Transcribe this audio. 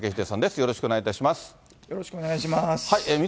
よろしくお願いします。